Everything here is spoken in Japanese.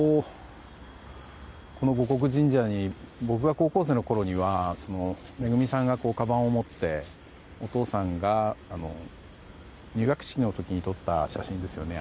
この護国神社に僕が高校生のころにはめぐみさんが、かばんを持ってお父さんが入学式の時に撮った写真ですよね。